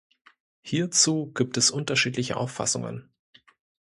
Hierzu gibt es unterschiedliche Auffassungen.